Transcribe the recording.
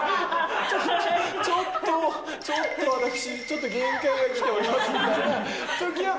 ちょっとー、ちょっと私、ちょっと限界がきておりますみたいな。